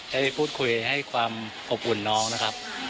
ได้พูดคุยให้ความอบอุ่นน้องนะครับ